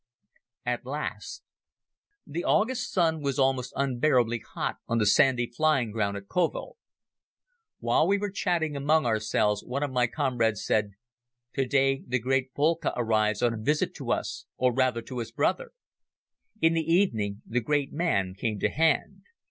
At Last! THE August sun was almost unbearably hot on the sandy flying ground at Kovel. While we were chatting among ourselves one of my comrades said: "To day the great Boelcke arrives on a visit to us, or rather to his brother!" In the evening the great man came to hand.